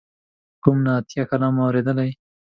کوم نعتیه کلام مو اوریدلی.